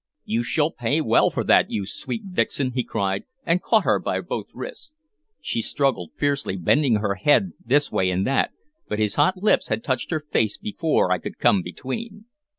"You shall pay well for that, you sweet vixen!" he cried, and caught her by both wrists. She struggled fiercely, bending her head this way and that, but his hot lips had touched her face before I could come between.